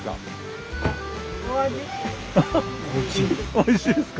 おいしいですか。